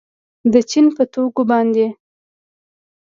د چین په توکو باندې